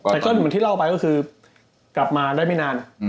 แต่ก็เหมือนที่เล่าไปก็คือกลับมาได้ไม่นาน